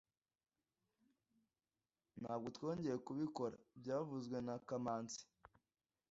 Ntabwo twongeye kubikora byavuzwe na kamanzi